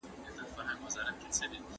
میز څېړنه په کوټه کي دننه ترسره کيږي.